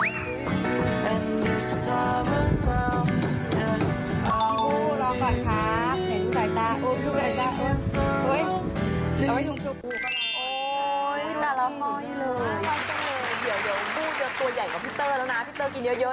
เฮียวเฮียวอี่ซะบูมันจะตัวใหญ่กว่าพี่เตอร์แล้วนะพี่เตอร์กินเยอะเยอะแล้ว